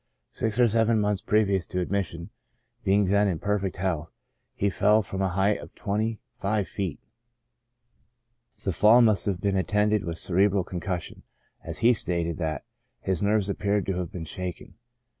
Six or seven months previous to admission, being then in perfect health, he fell from a height of twenty five feet. 5 66 CHRONIC ALCOHOLISM. The fall must have been attended with cerebral concussion, as he stated that " his nerves appeared to have been shaken."